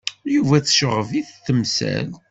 Yuba tecɣeb-it temsalt.